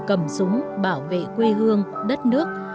cầm súng bảo vệ quê hương đất nước